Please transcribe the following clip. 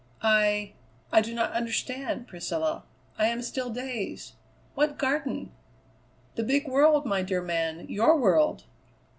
I I do not understand, Priscilla. I am still dazed. What Garden?" "The big world, my dear man; your world."